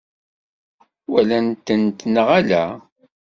Walant-tent neɣ ala?